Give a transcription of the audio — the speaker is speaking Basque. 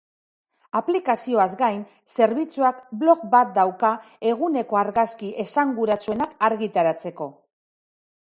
Aplikazioaz gain, zerbitzuak blog bat dauka eguneko argazki esanguratsuenak argitaratzeko.